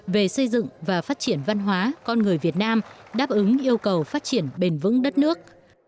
về xây dựng và phát triển văn hóa con người việt nam đáp ứng yêu cầu phát triển bền vững đất nước